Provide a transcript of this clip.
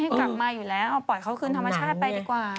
กลับมาอยู่แล้วเอาปล่อยเขาคืนธรรมชาติไปดีกว่า